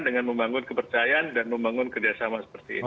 dengan membangun kepercayaan dan membangun kerjasama seperti ini